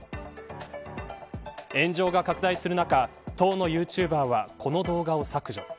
炎上が拡大する中当のユーチューバーはこの動画を削除。